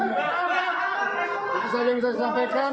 itu saja yang bisa saya sampaikan